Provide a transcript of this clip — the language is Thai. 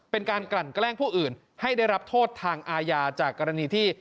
กลั่นแกล้งผู้อื่นให้ได้รับโทษทางอาญาจากกรณีที่